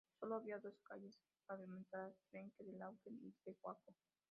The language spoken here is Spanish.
Sólo había dos calles pavimentadas: Trenque Lauquen y Pehuajó.